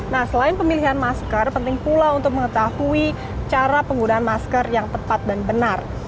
nah selain pemilihan masker penting pula untuk mengetahui cara penggunaan masker yang tepat dan benar